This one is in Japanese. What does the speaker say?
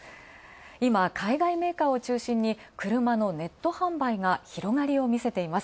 今、海外メーカーを中心に車のネット販売が広がりを見せています